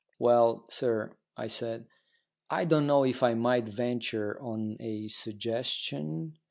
"Well, sir," I said, "I don't know if I might venture on a suggestion."